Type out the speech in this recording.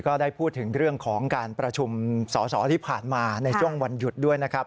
ก็ได้พูดถึงเรื่องของการประชุมสอสอที่ผ่านมาในช่วงวันหยุดด้วยนะครับ